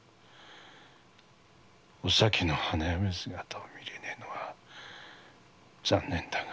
お咲の花嫁姿を見れねえのは残念だが。